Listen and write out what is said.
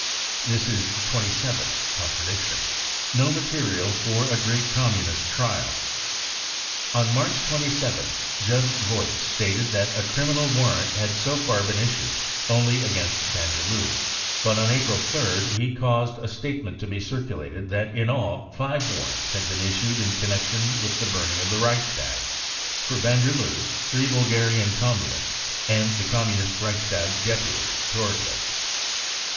This is the twenty seventh contradiction. No Material for a Great Communist Trial. On March 27th Judge Vogt stated that a criminal warrant had so far been issued only against van der Lubbe. But on April 3rd he caused a statement to be circulated that, in all, > five warrants had been issued in connection with the burning of the Reichstag — for van der Lubbe, three Bul garian Communists and the Communist Reichstag deputy Torgler.